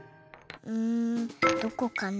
うんどこかな。